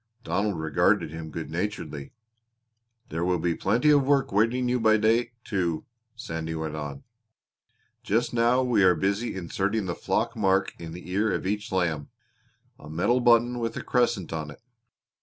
Donald regarded him good naturedly. "There will be plenty of work waiting you by day, too," Sandy went on. "Just now we are busy inserting the flock mark in the ear of each lamb a metal button with a crescent on it.